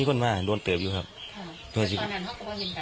ตอนนั้นเขาก็เช่นก่อนมาอ่ะ